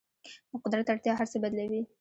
د قدرت اړتیا هر څه بدلوي.